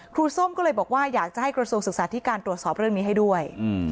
ส้มก็เลยบอกว่าอยากจะให้กระทรวงศึกษาธิการตรวจสอบเรื่องนี้ให้ด้วย